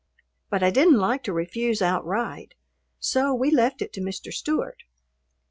But I didn't like to refuse outright, so we left it to Mr. Stewart.